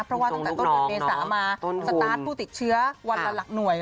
เพราะว่าตั้งแต่ต้นเดือนเมษามาสตาร์ทผู้ติดเชื้อวันละหลักหน่วย